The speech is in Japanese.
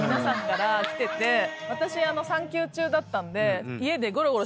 私産休中だったんで。